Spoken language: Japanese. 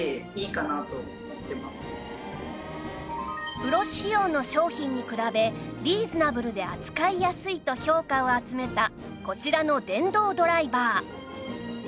プロ仕様の商品に比べリーズナブルで扱いやすいと評価を集めたこちらの電動ドライバー